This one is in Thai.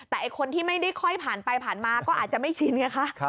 แต่คนที่ไม่ได้ค่อยผ่านไปผ่านมาก็อาจจะไม่ชินไงคะ